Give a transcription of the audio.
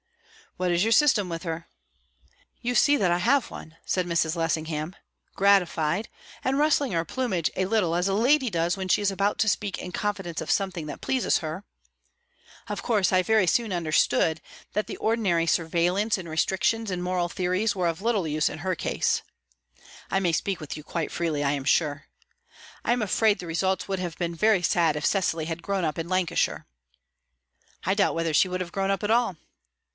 "What is your system with her?" "You see that I have one," said Mrs. Lessingham, gratified, and rustling her plumage a little as a lady does when she is about to speak in confidence of something that pleases her. "Of course, I very soon understood that the ordinary surveillance and restrictions and moral theories were of little use in her case. (I may speak with you quite freely, I am sure.) I'm afraid the results would have been very sad if Cecily had grown up in Lancashire." "I doubt whether she would have grown up at all."